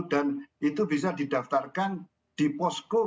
dan itu bisa didaftarkan di posko